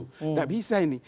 tidak bisa ini